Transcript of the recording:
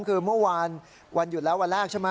คือเมื่อวานวันหยุดแล้ววันแรกใช่ไหม